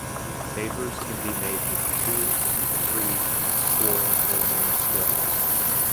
Favours can be made with two, three, four or more straws.